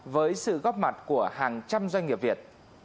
với sự góp mặt của hàng trăm doanh nghiệp việt